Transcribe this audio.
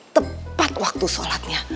tepat waktu sholatnya